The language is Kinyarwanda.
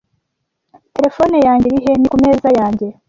Terefone yanjye iri he? "" Ni ku meza yanjye ."